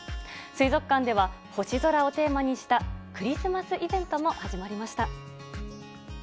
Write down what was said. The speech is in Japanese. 水族館では、星空をテーマにしたクリスマスイベントも始まりました。